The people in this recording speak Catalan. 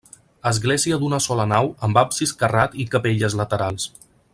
Església d'una sola nau amb absis carrat i capelles laterals.